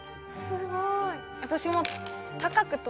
すごい。